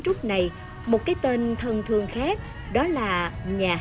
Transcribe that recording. trúc này một cái tên thân thương khác đó là nhà hát bà nón lá